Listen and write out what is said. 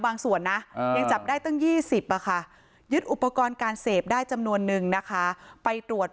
ส่วนนะยังจับได้ตั้ง๒๐ยึดอุปกรณ์การเสพได้จำนวนนึงนะคะไปตรวจ